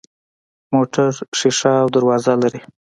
موټر شیشه او دروازې لري.